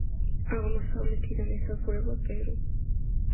აღმოსავლეთიდან ესაზღვრება პერუ.